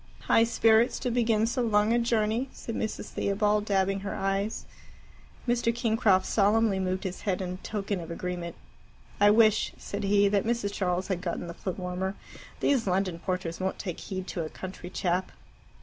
"High spirits to begin so long a journey," said Mrs. Theobald, dabbing her eyes. Mr. Kingcroft solemnly moved his head in token of agreement. "I wish," said he, "that Mrs. Charles had gotten the footwarmer. These London porters won't take heed to a country chap."